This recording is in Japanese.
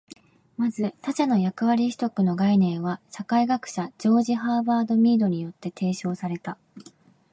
まず、「他者の役割取得」の概念は社会学者ジョージ・ハーバート・ミードによって提唱された。